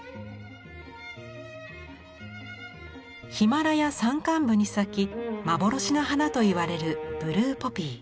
ヒマラヤ山間部に咲き幻の花といわれるブルーポピー。